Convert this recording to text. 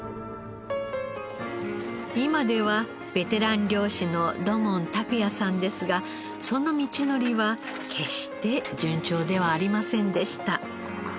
今ではベテラン漁師の土門拓也さんですがその道のりは決して順調ではありませんでした。